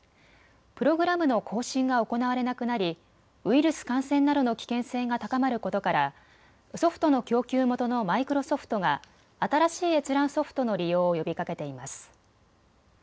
プログラムの更新が行われなくなりウイルス感染などの危険性が高まることからソフトの供給元のマイクロソフトが新しい閲覧ソフトの利用を呼びかけています。